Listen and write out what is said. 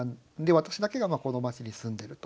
私だけがこの町に住んでると。